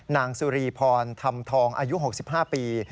นางสุรีพรธรรมทองอายุ๖๕ปี